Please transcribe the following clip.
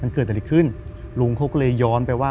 มันเกิดอะไรขึ้นลุงเขาก็เลยย้อนไปว่า